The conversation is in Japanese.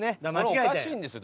これおかしいんですよ。